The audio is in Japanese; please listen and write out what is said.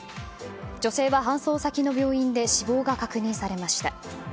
女性は、搬送先の病院で死亡が確認されました。